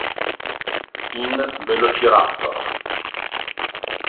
In "Velociraptor!